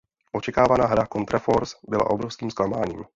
Očekávaná hra "Contra Force" byla obrovským zklamáním.